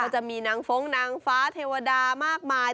จะมีนางฟ้องนางฟ้าเทวดามากมาย